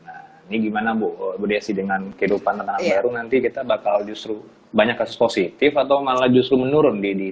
nah ini gimana bu desi dengan kehidupan tantangan baru nanti kita bakal justru banyak kasus positif atau malah justru menurun